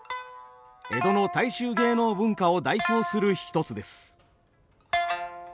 江戸の大衆芸能文化を代表する一つです。